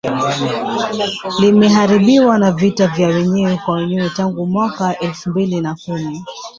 limeharibiwa na vita vya wenyewe kwa wenyewe tangu mwaka elfu mbili na kumi